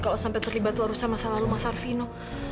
kalau sampai terlibat warusan masa lalu mas arvino